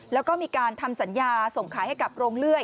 แล้วก็มีการทำสัญญาส่งขายให้กับโรงเลื่อย